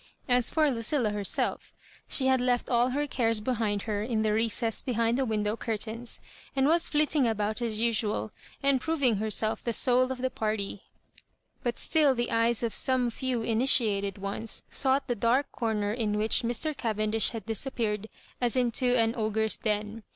As for Lucilla herself^ she had left all her cares behind her in the recess behind the window curtains, and was flitting about as usual, and proving herself the soul of the party ; but still the eyes of some few initiated ones sought the dark comer in which Mr. Ca vendish had disappeared as into an ogre's den.